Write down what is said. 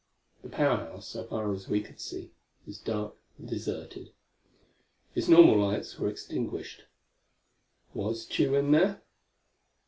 The Power House, so far as we could see, was dark and deserted. Its normal lights were extinguished. Was Tugh in there?